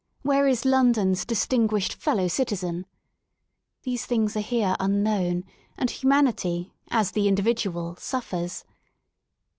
Where is London's "distinguished fellow citizen?" These things are here unknown, and humanity, as the individual, suffers.